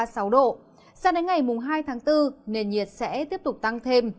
sang đến ngày hai tháng bốn nền nhiệt sẽ tiếp tục tăng thêm